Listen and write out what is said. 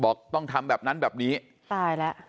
ต้องทำแบบนั้นแบบนี้ตายแล้ว